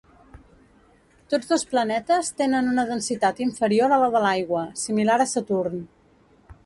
Tots dos planetes tenen una densitat inferior a la de l'aigua, similar a Saturn.